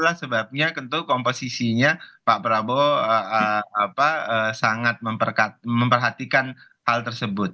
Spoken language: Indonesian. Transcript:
itulah sebabnya tentu komposisinya pak prabowo sangat memperhatikan hal tersebut